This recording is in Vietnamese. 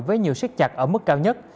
với nhiều siết chặt ở mức cao nhất